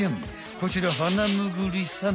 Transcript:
こちらハナムグリさま。